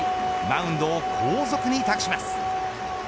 マウンドを後続に託します。